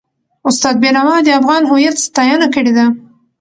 استاد بینوا د افغان هویت ستاینه کړې ده.